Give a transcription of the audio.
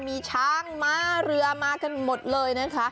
มีช้างม้าเรือมากันหมดเลยนะคะ